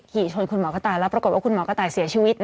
ขี่ชนคุณหมอกระต่ายแล้วปรากฏว่าคุณหมอกระต่ายเสียชีวิต